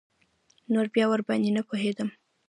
نور بيا ورباندې نه پوهېدم.